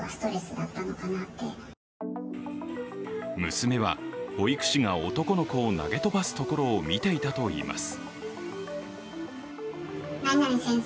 娘は保育士が男の子を投げ飛ばすところを見ていたといいます。